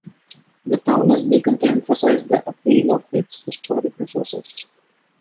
The town has begun to emphasize the appeal of its historic resources.